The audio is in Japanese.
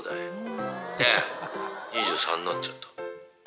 ２３になっちゃった。